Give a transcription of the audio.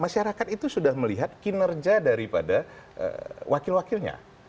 masyarakat itu sudah melihat kinerja daripada wakil wakilnya